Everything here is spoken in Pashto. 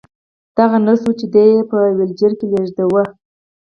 دا هغه نرس وه چې دی یې په ويلچر کې لېږداوه